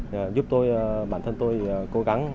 cái đó là điều gì giúp bản thân tôi cố gắng